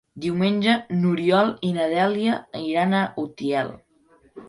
Diumenge n'Oriol i na Dèlia iran a Utiel.